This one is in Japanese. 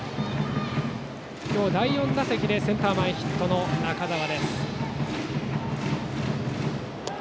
今日、第４打席でセンター前ヒットの中澤。